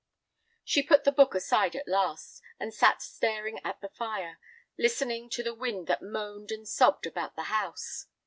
She put the book aside at last, and sat staring at the fire, listening to the wind that moaned and sobbed about the house.